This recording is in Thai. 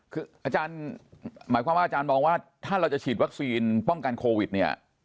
คืออาจารย์หมายความว่าอาจารย์มองว่าถ้าเราจะฉีดวัคซีนป้องกันโควิดเนี่ย